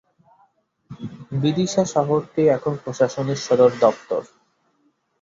বিদিশা শহরটি এর প্রশাসনিক সদর দফতর।